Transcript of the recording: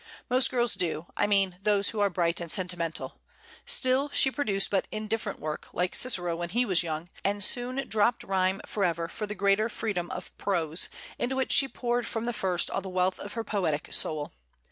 Most girls do, I mean those who are bright and sentimental; still, she produced but indifferent work, like Cicero when he was young, and soon dropped rhyme forever for the greater freedom of prose, into which she poured from the first all the wealth of her poetic soul.